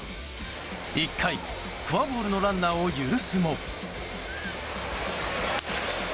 １回、フォアボールのランナーを許すも。